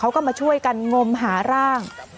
เขาก็มาช่วยกันงมหาร่าง